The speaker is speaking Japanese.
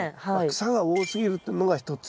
草が多すぎるというのが一つ。